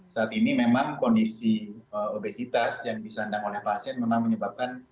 saat ini memang kondisi obesitas yang disandang oleh pasien memang menyebabkan